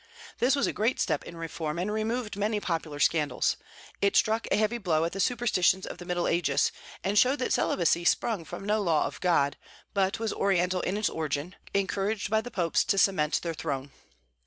This was a great step in reform, and removed many popular scandals; it struck a heavy blow at the superstitions of the Middle Ages, and showed that celibacy sprung from no law of God, but was Oriental in its origin, encouraged by the popes to cement their throne.